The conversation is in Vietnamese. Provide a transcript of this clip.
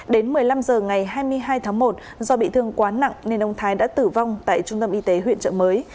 đến một mươi năm h ngày hai mươi hai tháng một do bị thương quá nặng nên ông thái đã tử vong tại trung tâm y tế huyện trợ mới